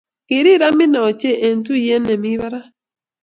Kirir Amina ochei eng tugee ne mii barak.